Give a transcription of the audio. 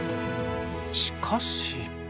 しかし。